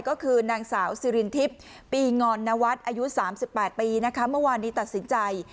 ก็คือนางสาวสิรินทิพย์ปีงอนนวัฒน์อายุ๓๘ปีนะคะเมื่อวานนี้ตัดสินใจ